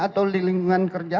atau di lingkungan kerja